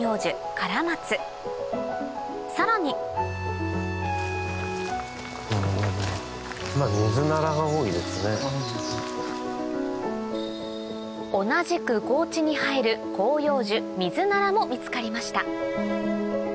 カラマツさらに同じく高地に生える広葉樹ミズナラも見つかりました